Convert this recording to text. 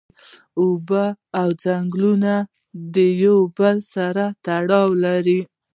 اوبه او ځنګلونه د یو او بل سره تړلی دی